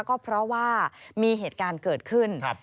ก็เพราะว่ามีเหตุการณ์เกิดขึ้น